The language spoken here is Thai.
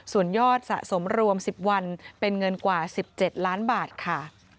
ส่วนยอดสะสมรวม๑๐วันเป็นเงินกว่า๑๗ล้านบาทค่ะ